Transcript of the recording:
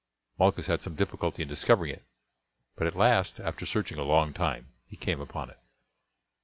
Malchus had some difficulty in discovering it; but at last, after searching a long time he came upon it.